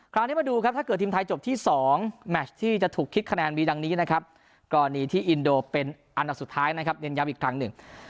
คราวนี้มาดูครับถ้าเกิดทีมไทยจบที่๒แมชที่จะถูกคิดคะแนนมีดังนี้นะครับกรณีที่อินโดเป็นอันดับสุดท้ายนะครับเน้นย้ำอีกครั้งหนึ่ง